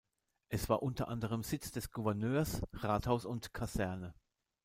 Es war unter anderem Sitz des Gouverneurs, Rathaus und Kaserne.